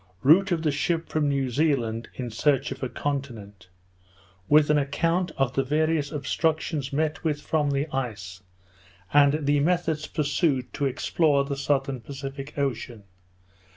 _Route of the Ship from New Zealand in Search of a Continent; with an Account of the various Obstructions met with from the Ice, and the Methods pursued to explore the Southern Pacific Ocean.